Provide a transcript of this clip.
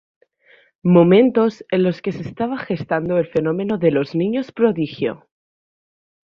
Momentos en los que se estaba gestando el fenómeno de los niños prodigio.